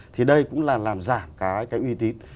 thì đây cũng là làm giảm cái uy tín